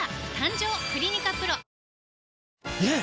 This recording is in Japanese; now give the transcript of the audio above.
ねえ‼